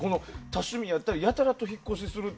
多趣味やったりやたらと引っ越ししたり。